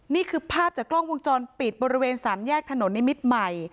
นี่คือภาพจากกล้องวงจรปิดบริเวณสามแยกถนนนิมิตรใหม่